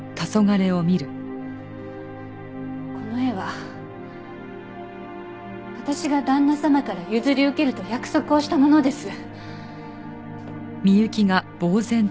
この絵は私が旦那様から譲り受けると約束をしたものです。